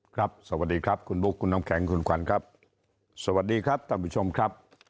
สวัสดีครับคุณบุ๊คคุณน้ำแข็งคุณขวัญครับสวัสดีครับท่านผู้ชมครับ